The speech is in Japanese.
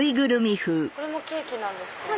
これもケーキなんですか？